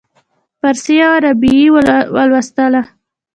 فارسي یوه رباعي ولوستله.